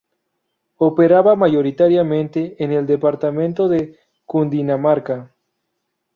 Operaba mayoritariamente en el departamento de Cundinamarca.